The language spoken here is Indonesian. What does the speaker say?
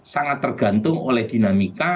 sangat tergantung oleh dinamika